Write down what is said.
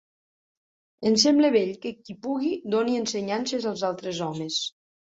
Em sembla bell que qui pugui doni ensenyances als altres homes.